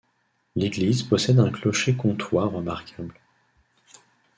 L'église possède un clocher comtois remarquable.